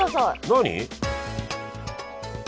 何？